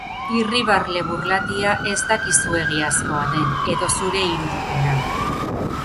Irribarre burlatia ez dakizu egiazkoa den, edo zure irudipena.